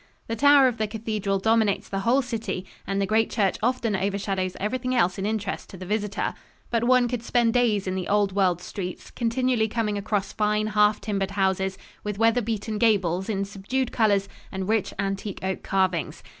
The tower of the cathedral dominates the whole city and the great church often overshadows everything else in interest to the visitor. But one could spend days in the old world streets, continually coming across fine half timbered houses, with weather beaten gables in subdued colors and rich antique oak carvings.